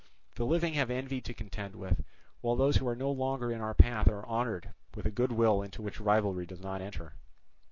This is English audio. The living have envy to contend with, while those who are no longer in our path are honoured with a goodwill into which rivalry does not enter.